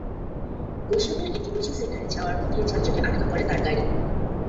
গুলশানের একটি কোচিং সেন্টারে যাওয়ার পথে যানজটে আটকে পড়ে তার গাড়ি।